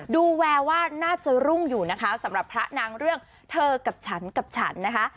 แววว่าน่าจะรุ่งอยู่นะคะสำหรับพระนางเรื่องเธอกับฉันกับฉันนะคะ